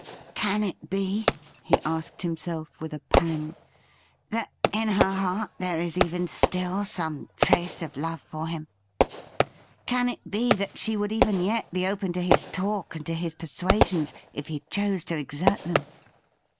' Can it be,' he asked himself with a pang, 'that in her heart there is even still some trace of love for him .'' Can it be that she would even yet be open to his talk and to his persuasions if he chose to exert them